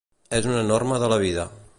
És una norma de la vida.